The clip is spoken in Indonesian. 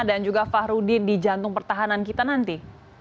dan juga fahruddin di jantung pertahanan kita nanti